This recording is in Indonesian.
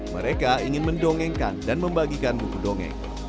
mereka ingin mendongengkan dan membagikan buku dongeng